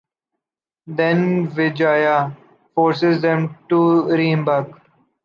Then Wijaya forces them to re-embark.